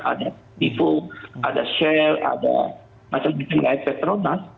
ada pipo ada shell ada macam bpm ada petronas